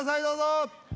どうぞ。